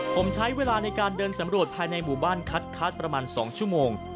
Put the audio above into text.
ผมใช้เวลาในการเดินสำรวจภายในหมู่บ้านคัดประมาณ๒ชั่วโมง